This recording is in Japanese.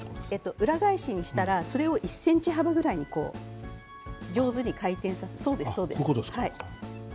裏返しにしたら、それを１ｃｍ幅ぐらいに上手に回転しながら。